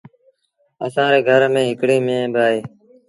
اسآݩ ري گھر ميݩ هڪڙيٚ ميݩهن با اهي۔